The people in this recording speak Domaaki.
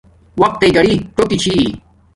وقتݵ گھڑی څیگی چھی